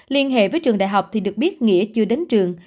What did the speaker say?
liên hệ với trường đại học thì được biết nghĩa chưa đến trường